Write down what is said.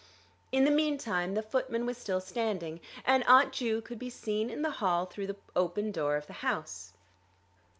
In the meantime the footman was still standing, and Aunt Ju could be seen in the hall through the open door of the house.